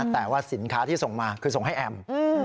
แต่ว่าสินค้าที่ส่งมาคือส่งให้แอม